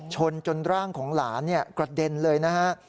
ชนจนร่างของหลานกระเด็นเลยนะฮะ